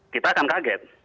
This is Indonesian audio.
kita akan kaget